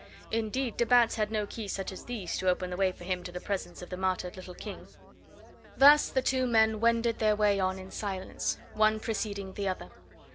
Indeed, de Batz had no keys such as these to open the way for him to the presence of the martyred little King. Thus the two men wended their way on in silence, one preceding the other.